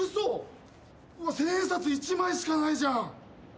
うわっ千円札１枚しかないじゃん！